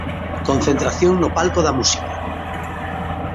Concentración no Palco da Música.